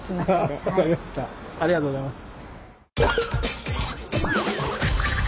ありがとうございます。